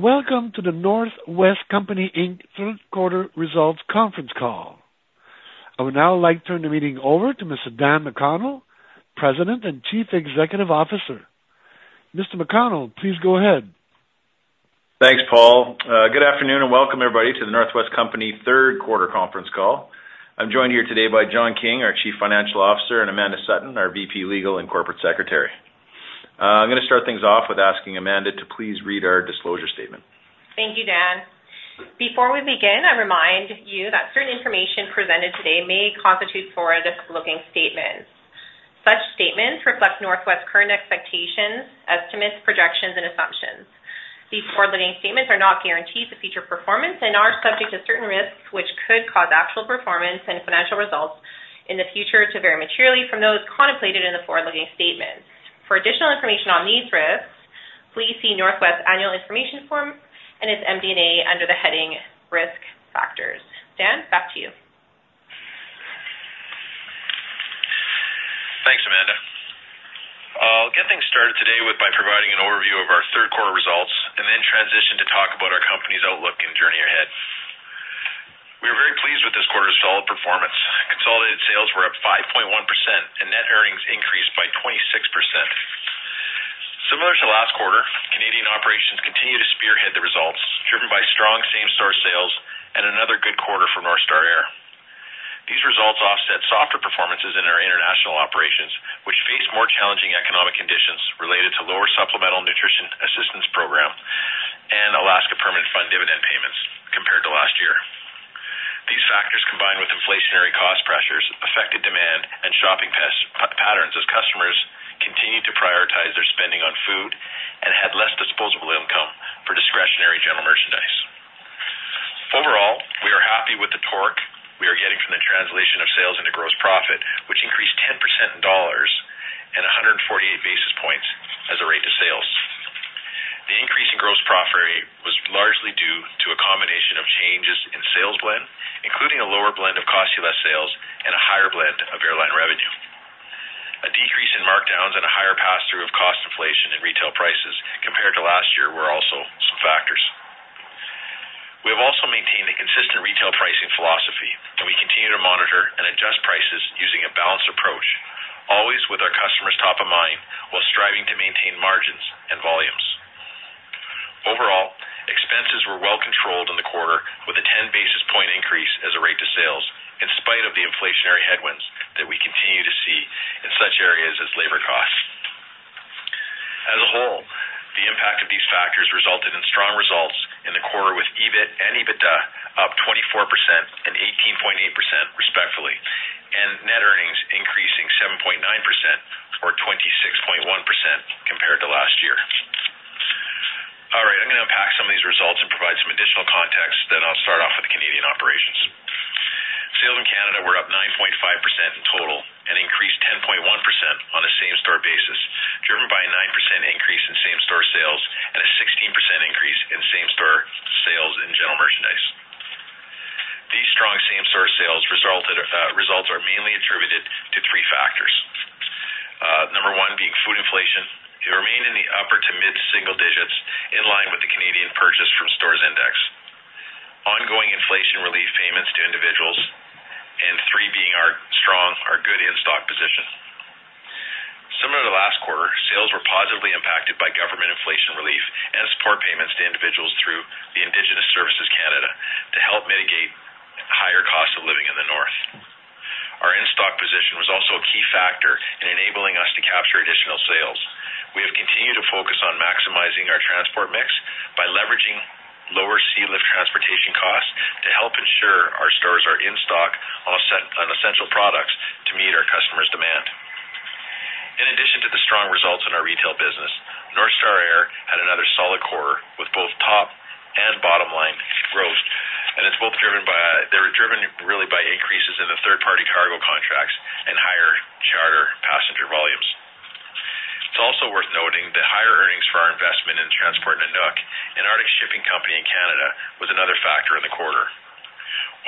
Welcome to The North West Company Inc third quarter results conference call. I would now like to turn the meeting over to Mr. Dan McConnell, President and Chief Executive Officer. Mr. McConnell, please go ahead. Thanks, Paul. Good afternoon, and welcome everybody to the North West Company third quarter conference call. I'm joined here today by John King, our Chief Financial Officer, and Amanda Sutton, our VP, Legal and Corporate Secretary. I'm gonna start things off with asking Amanda to please read our disclosure statement. Thank you, Dan. Before we begin, I remind you that certain information presented today may constitute forward-looking statements. Such statements reflect North West current expectations, estimates, projections, and assumptions. These forward-looking statements are not guarantees of future performance and are subject to certain risks, which could cause actual performance and financial results in the future to vary materially from those contemplated in the forward-looking statements. For additional information on these risks, please see North West Annual Information Form and its MD&A under the heading Risk Factors. Dan, back to you. Thanks, Amanda. I'll get things started today by providing an overview of our third quarter results and then transition to talk about our company's outlook and journey ahead. We are very pleased with this quarter's solid performance. Consolidated sales were up 5.1% and net earnings increased by 26%. Similar to last quarter, Canadian operations continue to spearhead the results, driven by strong same-store sales and another good quarter for North Star Air. These results offset softer performances in our international operations, which face more challenging economic conditions related to lower Supplemental Nutrition Assistance Program and Alaska Permanent Fund dividend payments compared to last year. These factors, combined with inflationary cost pressures, affected demand and shopping patterns as customers continued to prioritize their spending on food and had less disposable income for discretionary general merchandise. Overall, we are happy with the torque we are getting from the translation of sales into gross profit, which increased 10% in dollars and 148 basis points as a rate to sales. The increase in gross profit rate was largely due to a combination of changes in sales blend, including a lower blend of Cost-U-Less sales and a higher blend of airline revenue. A decrease in markdowns and a higher pass-through of cost inflation in retail prices compared to last year were also some factors. We have also maintained a consistent retail pricing philosophy, and we continue to monitor and adjust prices using a balanced approach, always with our customers top of mind, while striving to maintain margins and volumes. Overall, expenses were well controlled in the quarter, with a 10 basis points increase as a rate of sales, in spite of the inflationary headwinds that we continue to see in such areas as labor costs. As a whole, the impact of these factors resulted in strong results in the quarter, with EBIT and EBITDA up 24% and 18.8%, respectively, and net earnings increasing 7.9% or 26.1% compared to last year. All right, I'm going to unpack some of these results and provide some additional context. Then I'll start off with the Canadian operations. Sales in Canada were up 9.5% in total and increased 10.1% on a same-store basis, driven by a 9% increase in same-store sales and a 16% increase in same-store sales in general merchandise. These strong same-store sales results are mainly attributed to three factors. Number one being food inflation. It remained in the upper to mid-single digits, in line with the Canadian Purchase from Stores Index, ongoing inflation relief payments to individuals, and three, being our strong, our good in-stock position. Similar to last quarter, sales were positively impacted by government inflation relief and support payments to individuals through the Indigenous Services Canada to help mitigate higher costs of living in the North. Our in-stock position was also a key factor in enabling us to capture additional sales. We have continued to focus on maximizing our transport mix by leveraging lower sealift transportation costs to help ensure our stores are in stock on essential products to meet our customers' demand. In addition to the strong results in our retail business, North Star Air had another solid quarter, with both top and bottom line growth, and it's both driven by, they were driven really by increases in the third-party cargo contracts and higher charter passenger volumes. It's also worth noting that higher earnings for our investment in Transport Nanuk, an Arctic shipping company in Canada, was another factor in the quarter.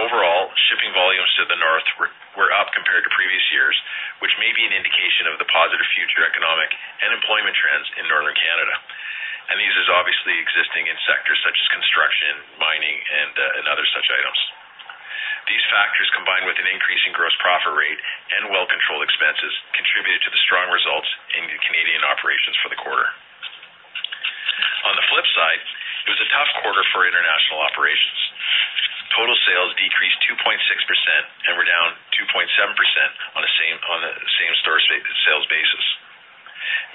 Overall, shipping volumes to the North were up compared to previous years, which may be an indication of the positive future economic and employment trends in northern Canada. And these is obviously existing in sectors such as construction, mining, and other such items. These factors, combined with an increase in gross profit rate and well-controlled expenses, contributed to the strong results in the Canadian operations for the quarter. On the flip side, it was a tough quarter for international operations. Total sales decreased 2.6% and were down 2.7% on the same-store sales basis,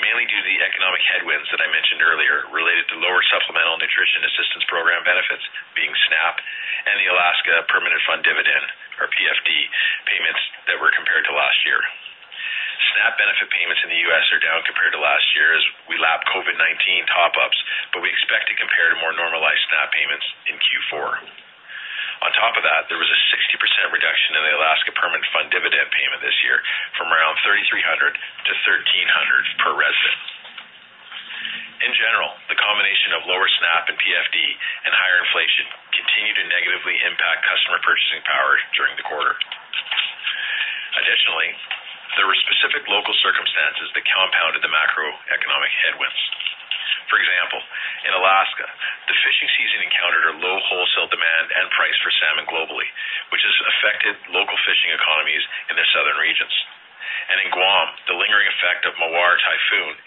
mainly due to the economic headwinds that I mentioned earlier, related to lower Supplemental Nutrition Assistance Program benefits being SNAP and the Alaska Permanent Fund Dividend, or PFD, payments that were compared to last year. SNAP benefit payments in the U.S. are down compared to last year as we lap COVID-19 top-ups, but we expect to compare to more normalized SNAP payments in Q4. On top of that, there was a 60% reduction in the Alaska Permanent Fund dividend payment this year from around $3,300 to $1,300 per resident. In general, the combination of lower SNAP and PFD and higher inflation continued to negatively impact customer purchasing power during the quarter. Additionally, there were specific local circumstances that compounded the macroeconomic headwinds. For example, in Alaska, the fishing season encountered a low wholesale demand and price for salmon globally, which has affected local fishing economies in the southern regions. In Guam, the lingering effect of Typhoon Mawar,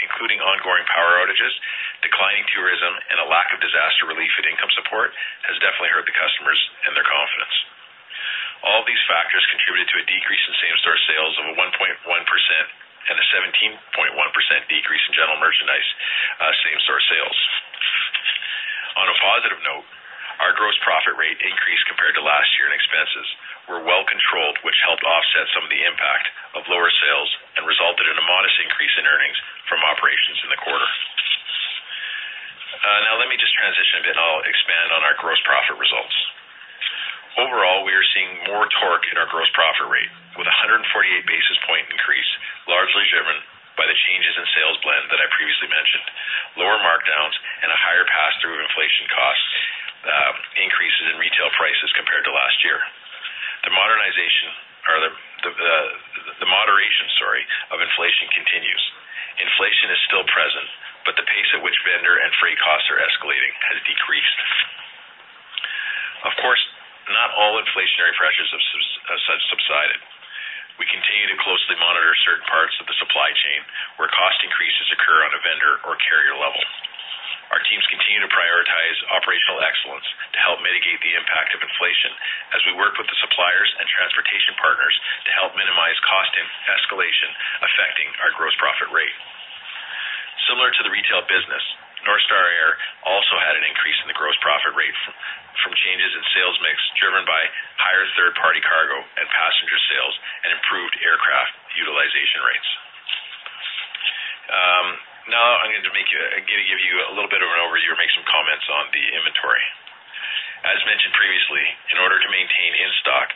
including ongoing power outages, declining tourism, and a lack of disaster relief and income support, has definitely hurt the customers and their confidence. All these factors contributed to a decrease in same-store sales of 1.1% and a 17.1% decrease in general merchandise same-store sales. On a positive note, our gross profit rate increased compared to last year, and expenses were well controlled, which helped offset some of the impact of lower sales and resulted in a modest increase in earnings from operations in the quarter. Now let me just transition, and I'll expand on our gross profit results. Overall, we are seeing more torque in our gross profit rate, with a 148 basis point increase, largely driven by the changes in sales blend that I previously mentioned, lower markdowns, and a higher pass-through of inflation costs, increases in retail prices compared to last year. The moderation, sorry, of inflation continues. Inflation is still present, but the pace at which vendor and freight costs are escalating has decreased. Of course, not all inflationary pressures have subsided. We continue to closely monitor certain parts of the supply chain where cost increases occur on a vendor or carrier level. Our teams continue to prioritize operational excellence to help mitigate the impact of inflation as we work with the suppliers and transportation partners to help minimize cost and escalation affecting our gross profit rate. Similar to the retail business, North Star Air also had an increase in the gross profit rate from changes in sales mix, driven by higher third-party cargo and passenger sales and improved aircraft utilization rates. Now I'm going to give you a little bit of an overview or make some comments on the inventory. As mentioned previously, in order to maintain in-stock,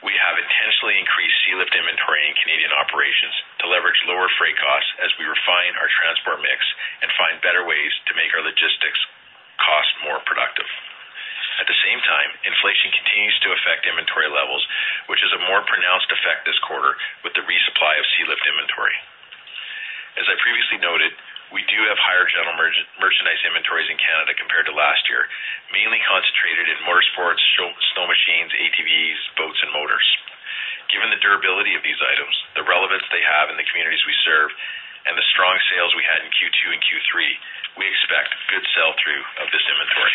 we have intentionally increased sealift inventory in Canadian operations to leverage lower freight costs as we refine our transport mix and find better ways to make our logistics cost more productive. At the same time, inflation continues to affect inventory levels, which is a more pronounced effect this quarter with the resupply of sealift inventory. As I previously noted, we do have higher general merchandise inventories in Canada compared to last year, mainly concentrated in motorsports, snow machines, ATVs, boats, and motors. Given the durability of these items, the relevance they have in the communities we serve, and the strong sales we had in Q2 and Q3, we expect good sell-through of this inventory.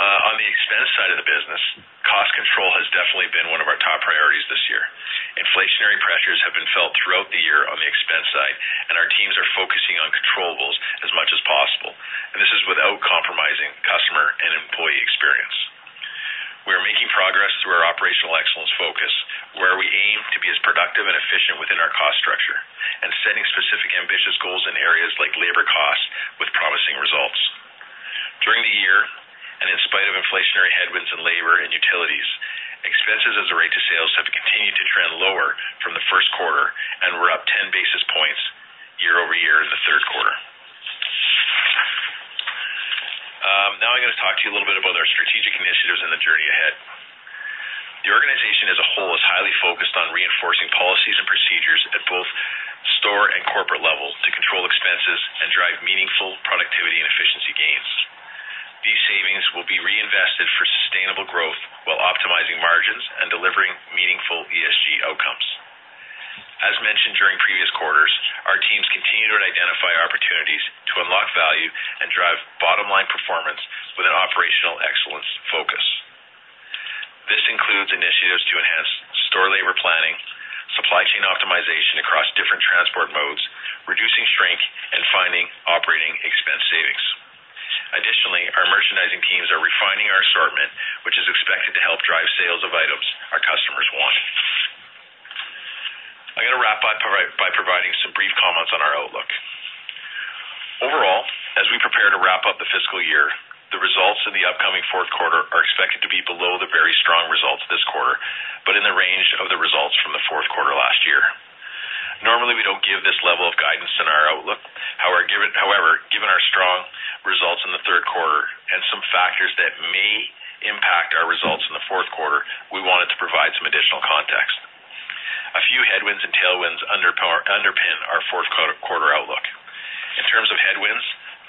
On the expense side of the business, cost control has definitely been one of our top priorities this year. Inflationary pressures have been felt throughout the year on the expense side, and our teams are focusing on controllables as much as possible, and this is without compromising customer and employee experience. We are making progress through our operational excellence focus, where we aim to be as productive and efficient within our cost structure and setting specific ambitious goals in areas like labor costs with promising results. During the year, in spite of inflationary headwinds in labor and utilities, expenses as a rate to sales have continued to trend lower from the first quarter and were up 10 basis points year-over-year in the third quarter. Now I'm going to talk to you a little bit about our strategic initiatives and the journey ahead. The organization as a whole is highly focused on reinforcing policies and procedures at both store and corporate levels to control expenses and drive meaningful productivity and efficiency gains. These savings will be reinvested for sustainable growth while optimizing margins and delivering meaningful ESG outcomes. As mentioned during previous quarters, our teams continue to identify opportunities to unlock value and drive bottom-line performance with an operational excellence focus. This includes initiatives to enhance store labor planning, supply chain optimization across different transport modes, reducing shrink, and finding operating expense savings. Additionally, our merchandising teams are refining our assortment, which is expected to help drive sales of items our customers want. I'm going to wrap up by providing some brief comments on our outlook. Overall, as we prepare to wrap up the fiscal year, the results in the upcoming fourth quarter are expected to be below the very strong results this quarter, but in the range of the results from the fourth quarter last year. Normally, we don't give this level of guidance in our outlook. However, given our strong results in the third quarter and some factors that may impact our results in the fourth quarter, we wanted to provide some additional context. A few headwinds and tailwinds underpin our fourth quarter outlook. In terms of headwinds,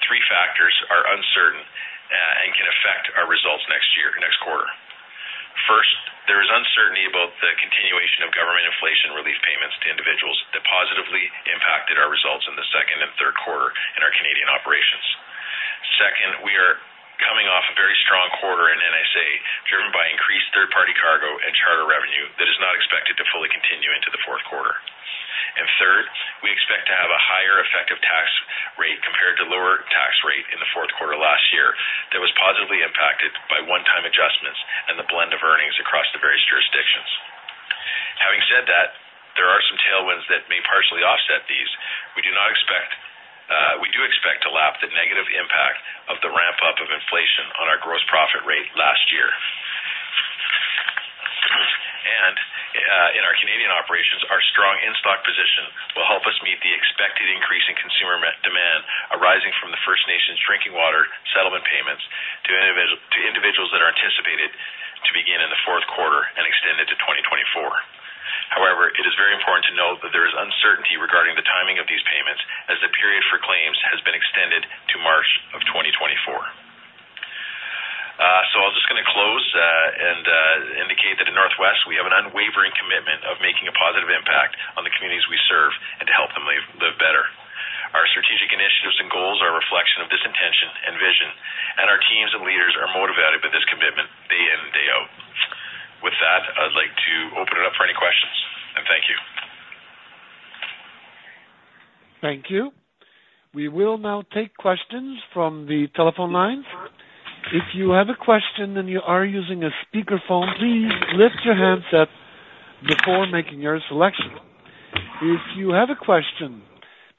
three factors are uncertain and can affect our results next year, next quarter. First, there is uncertainty about the continuation of government inflation relief payments to individuals that positively impacted our results in the second and third quarter in our Canadian operations. Second, we are coming off a very strong quarter in NSA, driven by increased third-party cargo and charter revenue that is not expected to fully continue into the fourth quarter. And third, we expect to have a higher effective tax rate compared to lower tax rate in the fourth quarter last year that was positively impacted by one-time adjustments and the blend of earnings across the various jurisdictions. Having said that, there are some tailwinds that may partially offset these. We do not expect—we do expect to lap the negative impact of the ramp-up of inflation on our gross profit rate last year. And, in our Canadian operations, our strong in-stock position will help us meet the expected increase in consumer demand arising from the First Nations Drinking Water Settlement payments to begin in the fourth quarter and extend it to 2024. However, it is very important to note that there is uncertainty regarding the timing of these payments, as the period for claims has been extended to March of 2024. So I'm just gonna close and indicate that at North West, we have an unwavering commitment of making a positive impact on the communities we serve and to help them live, live better. Our strategic initiatives and goals are a reflection of this intention and vision, and our teams and leaders are motivated by this commitment day in and day out. With that, I'd like to open it up for any questions, and thank you. Thank you. We will now take questions from the telephone lines. If you have a question and you are using a speakerphone, please lift your handset before making your selection. If you have a question,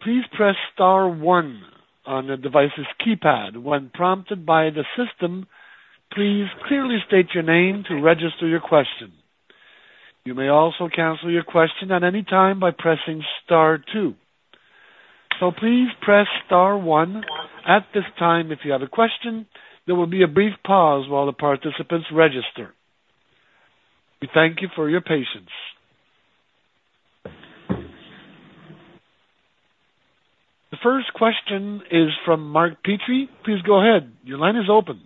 please press star one on the device's keypad. When prompted by the system, please clearly state your name to register your question. You may also cancel your question at any time by pressing star two. So please press star one at this time if you have a question. There will be a brief pause while the participants register. We thank you for your patience. The first question is from Mark Petrie. Please go ahead. Your line is open.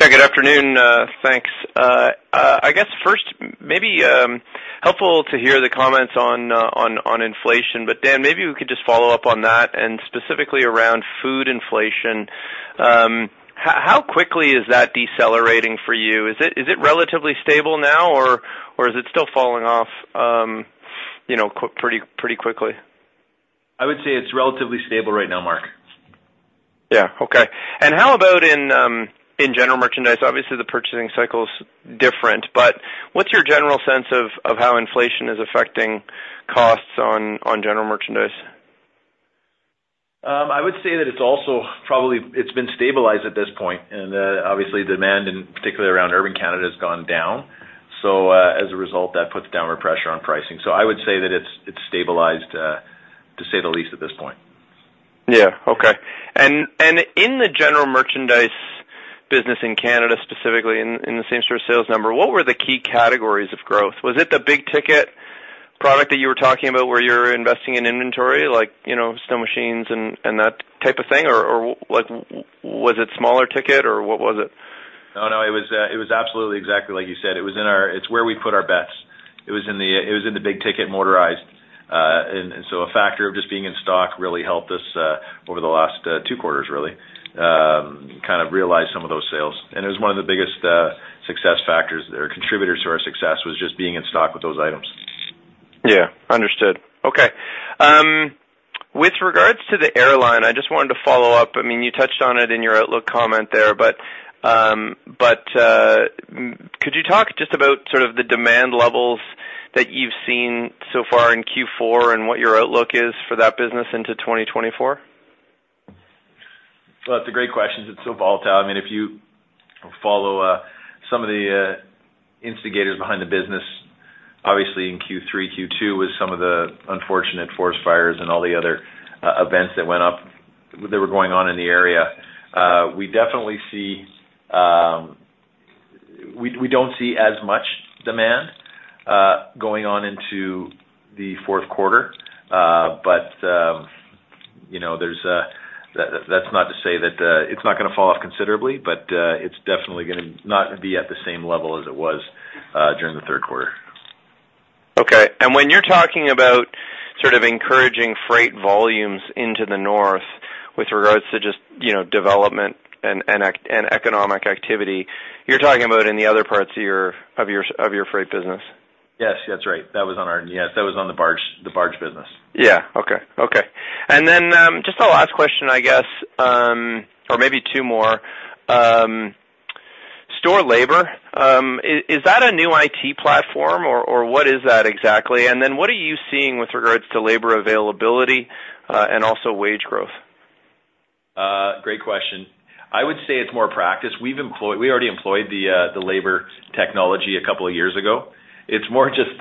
Yeah, good afternoon, thanks. I guess first, maybe helpful to hear the comments on inflation, but Dan, maybe we could just follow up on that and specifically around food inflation. How quickly is that decelerating for you? Is it relatively stable now or is it still falling off, you know, pretty quickly? I would say it's relatively stable right now, Mark. Yeah. Okay. And how about in general merchandise? Obviously, the purchasing cycle is different, but what's your general sense of how inflation is affecting costs on general merchandise? I would say that it's also probably... It's been stabilized at this point, and, obviously, demand, and particularly around urban Canada, has gone down. So, as a result, that puts downward pressure on pricing. So I would say that it's, it's stabilized, to say the least, at this point. Yeah. Okay. And in the general merchandise business in Canada, specifically in the same-store sales number, what were the key categories of growth? Was it the big ticket product that you were talking about, where you're investing in inventory, like, you know, snow machines and that type of thing? Or was it smaller ticket, or what was it? No, no, it was, it was absolutely exactly like you said. It was in our. It's where we put our bets. It was in the, it was in the big-ticket motorized, and so a factor of just being in stock really helped us over the last two quarters, really, kind of realize some of those sales. And it was one of the biggest success factors or contributors to our success, was just being in stock with those items. Yeah, understood. Okay. With regards to the airline, I just wanted to follow up. I mean, you touched on it in your outlook comment there, but could you talk just about sort of the demand levels that you've seen so far in Q4 and what your outlook is for that business into 2024? Well, it's a great question. It's so volatile. I mean, if you follow some of the instigators behind the business, obviously in Q3, Q2, with some of the unfortunate forest fires and all the other events that went up, that were going on in the area, we definitely see... We, we don't see as much demand going on into the fourth quarter. But, you know, there's a, that's not to say that it's not gonna fall off considerably, but it's definitely gonna not be at the same level as it was during the third quarter. Okay. And when you're talking about sort of encouraging freight volumes into the North with regards to just, you know, development and economic activity, you're talking about in the other parts of your freight business? Yes, that's right. That was on our... Yes, that was on the barge, the barge business. Yeah. Okay, okay. And then, just a last question, I guess, or maybe two more. Store labor, is that a new IT platform or what is that exactly? And then what are you seeing with regards to labor availability, and also wage growth? Great question. I would say it's more practice. We already employed the labor technology a couple of years ago. It's more just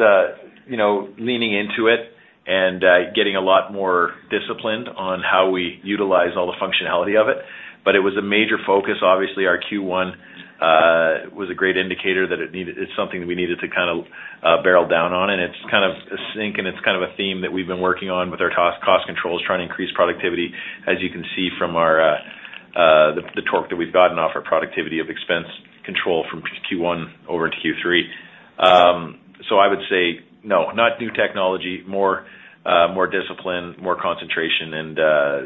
you know, leaning into it and getting a lot more disciplined on how we utilize all the functionality of it. But it was a major focus. Obviously, our Q1 was a great indicator that it needed. It's something that we needed to kind of barrel down on, and it's kind of a sync, and it's kind of a theme that we've been working on with our cost, cost controls, trying to increase productivity, as you can see from our the torque that we've gotten off our productivity of expense control from Q1 over to Q3. So I would say, no, not new technology, more, more discipline, more concentration, and,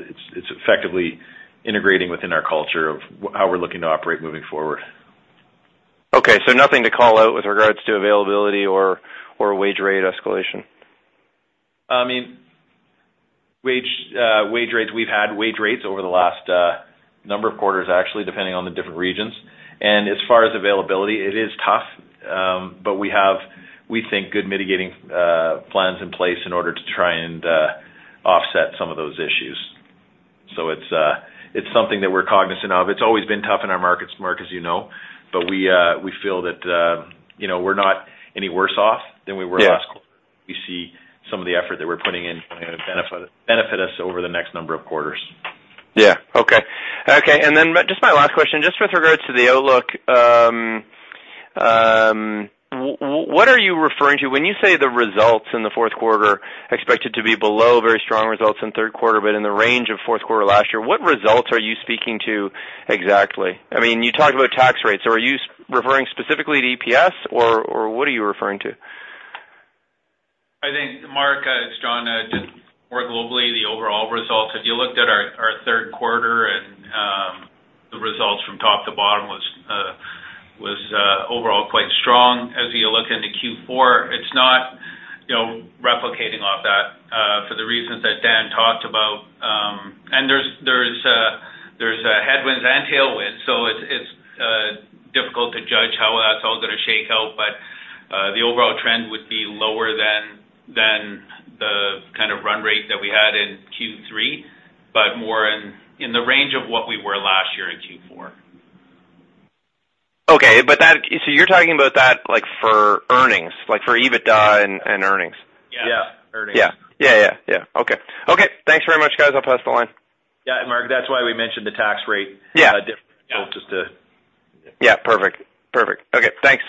it's, it's effectively integrating within our culture of how we're looking to operate moving forward. Okay, so nothing to call out with regards to availability or wage rate escalation? I mean, wage rates. We've had wage rates over the last number of quarters, actually, depending on the different regions. And as far as availability, it is tough, but we have, we think, good mitigating plans in place in order to try and offset some of those issues. So it's something that we're cognizant of. It's always been tough in our markets, Mark, as you know, but we feel that, you know, we're not any worse off than we were last quarter. Yeah. We see some of the effort that we're putting in going to benefit, benefit us over the next number of quarters. Yeah. Okay. Okay, and then just my last question, just with regards to the outlook, what are you referring to when you say the results in the fourth quarter expected to be below very strong results in third quarter, but in the range of fourth quarter last year? What results are you speaking to exactly? I mean, you talked about tax rates. So are you referring specifically to EPS or what are you referring to? I think, Mark, it's John. Just more globally, the overall results. If you looked at our third quarter and the results from top to bottom was overall quite strong. As you look into Q4, it's not, you know, replicating off that, for the reasons that Dan talked about. And there's a headwinds and tailwinds, so it's difficult to judge how that's all going to shake out. But the overall trend would be lower than the kind of run rate that we had in Q3, but more in the range of what we were last year in Q4. Okay. But so you're talking about that, like, for earnings, like, for EBITDA and, and earnings? Yeah. Earnings. Yeah. Yeah, yeah, yeah. Okay. Okay, thanks very much, guys. I'll pass the line. Yeah, Mark, that's why we mentioned the tax rate- Yeah. Difference, so just to- Yeah, perfect. Perfect. Okay, thanks.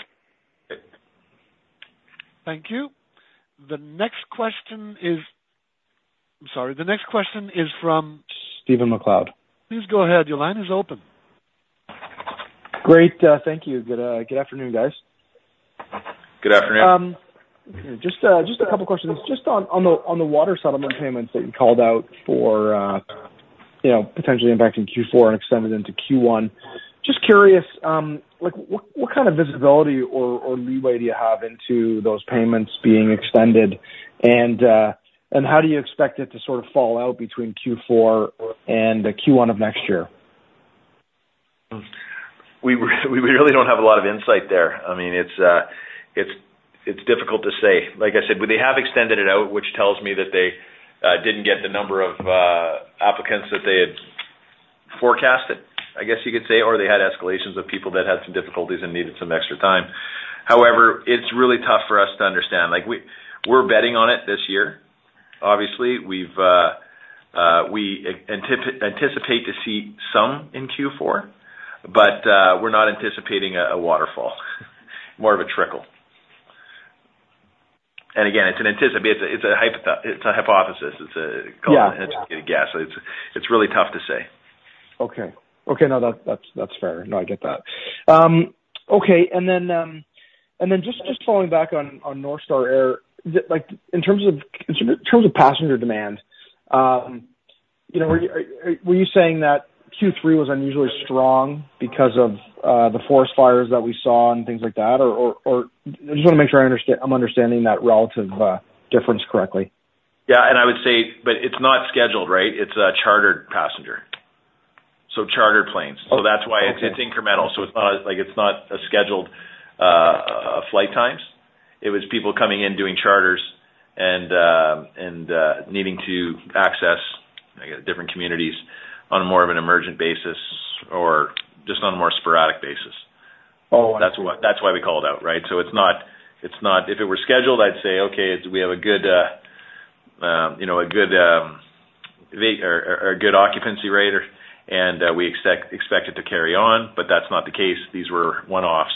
Thank you. The next question is... I'm sorry. The next question is from- Stephen MacLeod. Please go ahead. Your line is open. Great, thank you. Good, good afternoon, guys. Good afternoon. Just a couple questions. Just on the water settlement payments that you called out for, you know, potentially impacting Q4 and extended into Q1. Just curious, like, what kind of visibility or leeway do you have into those payments being extended? And how do you expect it to sort of fall out between Q4 and Q1 of next year? We really don't have a lot of insight there. I mean, it's difficult to say. Like I said, but they have extended it out, which tells me that they didn't get the number of applicants that they had forecasted, I guess you could say, or they had escalations of people that had some difficulties and needed some extra time. However, it's really tough for us to understand. Like, we're betting on it this year. Obviously, we anticipate to see some in Q4, but we're not anticipating a waterfall, more of a trickle. And again, it's a hypothesis. It's a- Yeah. Call it a guess. It's really tough to say. Okay. Okay, now that, that's, that's fair. No, I get that. Okay, and then, and then just, just following back on, on North Star Air, the like... In terms of, in terms of passenger demand, you know, were, were you saying that Q3 was unusually strong because of, the forest fires that we saw and things like that? Or, or, or I just want to make sure I understand - I'm understanding that relative, difference correctly. Yeah, and I would say, but it's not scheduled, right? It's a chartered passenger. So chartered planes. Okay. So that's why it's, it's incremental. So it's not like, it's not a scheduled flight times. It was people coming in, doing charters and needing to access, I guess, different communities on more of an emergent basis or just on a more sporadic basis. Oh. That's why, that's why we call it out, right? So it's not, it's not... If it were scheduled, I'd say, "Okay, we have a good, you know, a good occupancy rate, and we expect it to carry on." But that's not the case. These were one-offs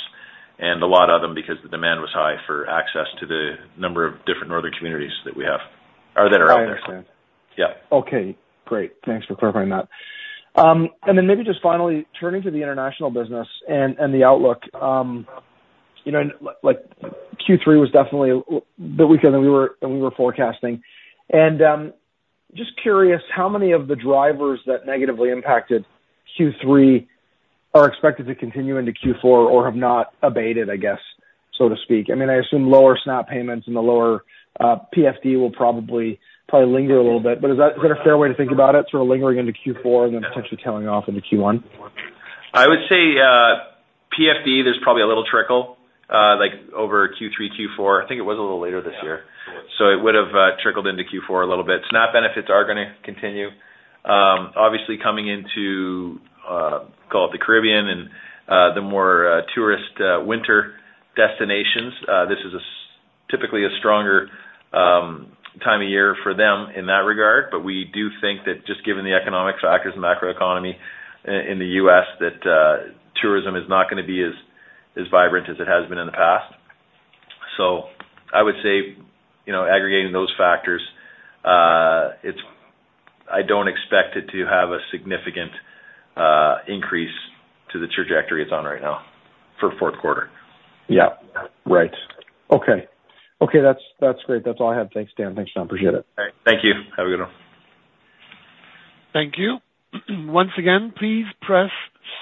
and a lot of them, because the demand was high for access to the number of different northern communities that we have, or that are out there. I understand. Yeah. Okay, great. Thanks for clarifying that. And then maybe just finally turning to the international business and, and the outlook. You know, like, like Q3 was definitely a bit weaker than we were, than we were forecasting. And, just curious, how many of the drivers that negatively impacted Q3 are expected to continue into Q4 or have not abated, I guess, so to speak? I mean, I assume lower SNAP payments and the lower, PFD will probably, probably linger a little bit, but is that a fair way to think about it, sort of lingering into Q4 and then potentially tailing off into Q1? I would say, PFD, there's probably a little trickle, like over Q3, Q4. I think it was a little later this year. So it would've trickled into Q4 a little bit. SNAP benefits are gonna continue. Obviously, coming into, call it the Caribbean and, the more, tourist, winter destinations, this is typically a stronger, time of year for them in that regard. But we do think that just given the economic factors and macroeconomy in the U.S., that, tourism is not gonna be as, as vibrant as it has been in the past. So I would say, you know, aggregating those factors, it's I don't expect it to have a significant, increase to the trajectory it's on right now for fourth quarter. Yeah. Right. Okay. Okay, that's, that's great. That's all I have. Thanks, Dan. Thanks, John. Appreciate it. All right. Thank you. Have a good one. Thank you. Once again, please press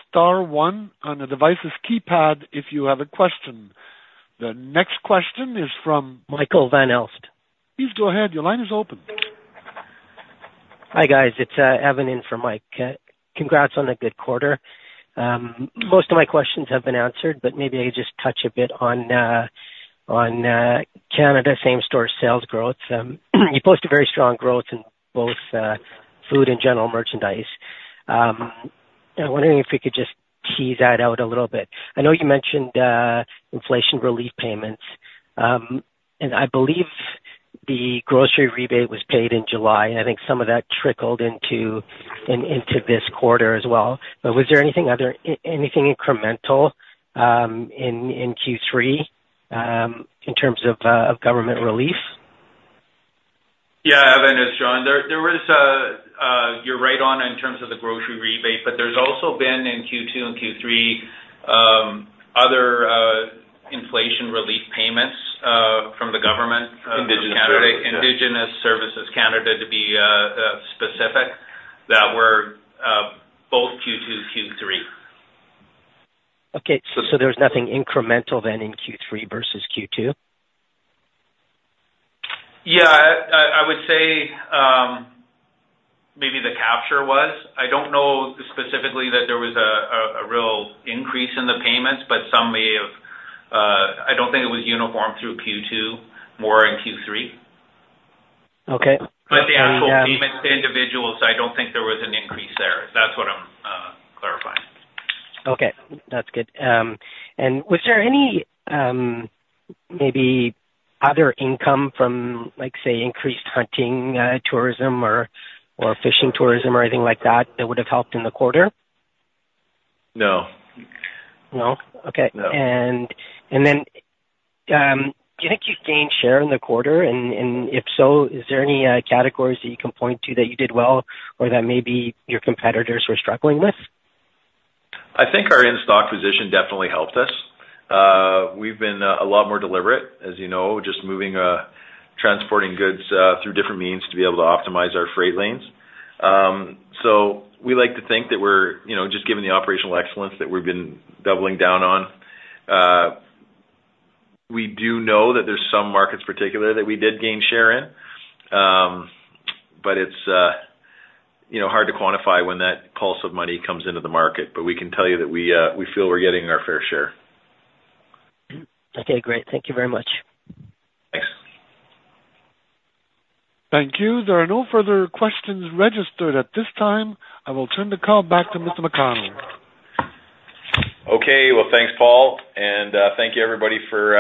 star one on the device's keypad if you have a question. The next question is from- Michael Van Aelst. Please go ahead. Your line is open. Hi, guys. It's Evan in for Mike. Congrats on a good quarter. Most of my questions have been answered, but maybe I could just touch a bit on Canada same-store sales growth. You posted very strong growth in both food and general merchandise. I'm wondering if you could just tease that out a little bit. I know you mentioned inflation relief payments, and I believe-... The grocery rebate was paid in July, and I think some of that trickled into this quarter as well. But was there anything other, anything incremental in Q3 in terms of government relief? Yeah, Evan, it's John. You're right on in terms of the grocery rebate, but there's also been in Q2 and Q3 other inflation relief payments from the government- Indigenous Canada. Indigenous Services Canada, to be specific, that were both Q2, Q3. Okay, so there's nothing incremental then in Q3 versus Q2? Yeah, I would say, maybe the capture was. I don't know specifically that there was a real increase in the payments, but some may have. I don't think it was uniform through Q2, more in Q3. Okay. But the actual payments to individuals, I don't think there was an increase there. That's what I'm clarifying. Okay, that's good. Was there any, maybe other income from, like, say, increased hunting, tourism or fishing tourism or anything like that, that would have helped in the quarter? No. No? Okay. No. And then, do you think you gained share in the quarter? And if so, is there any categories that you can point to that you did well, or that maybe your competitors were struggling with? I think our in-stock position definitely helped us. We've been a lot more deliberate, as you know, just moving transporting goods through different means to be able to optimize our freight lanes. So we like to think that we're, you know, just given the operational excellence that we've been doubling down on. We do know that there's some markets particularly that we did gain share in. But it's, you know, hard to quantify when that pulse of money comes into the market. But we can tell you that we feel we're getting our fair share. Okay, great. Thank you very much. Thanks. Thank you. There are no further questions registered at this time. I will turn the call back to Mr. McConnell. Okay. Well, thanks, Paul, and thank you everybody for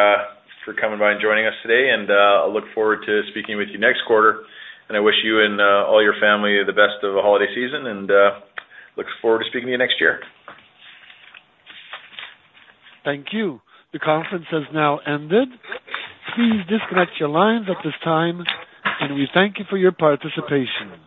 coming by and joining us today, and I look forward to speaking with you next quarter. I wish you and all your family the best of the holiday season, and look forward to speaking to you next year. Thank you. The conference has now ended. Please disconnect your lines at this time, and we thank you for your participation.